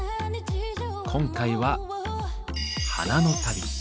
今回は「花の旅」。